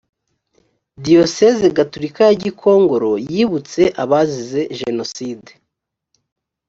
diyoseze gatulika ya gikongoro yibutse abazize jenoside